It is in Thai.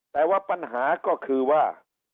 แต่ว่าปัญหาก็คือว่า